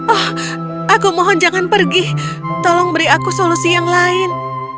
oh aku mohon jangan pergi tolong beri aku solusi yang lain